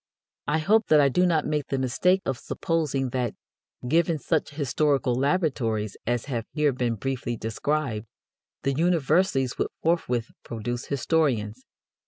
I hope that I do not make the mistake of supposing that, given such historical laboratories as have here been briefly described, the universities would forthwith produce historians.